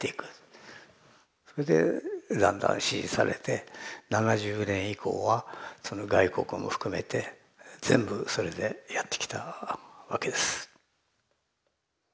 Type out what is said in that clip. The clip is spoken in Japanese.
それでだんだん支持されて７０年以降は外国も含めて全部それでやってきたわけです。